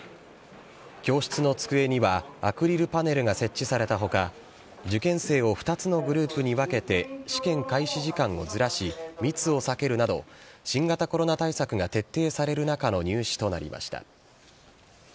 教室の机には、アクリルパネルが設置されたほか、受験生を２つのグループに分けて、試験開始時間をずらし、密を避けるなど、新型コロナ対策が徹底される中の入試となりました。